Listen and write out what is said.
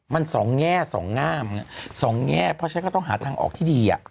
มันสองแง่สองงามสองแง่เพราะฉะนั้นก็ต้องหาทางออกที่ดี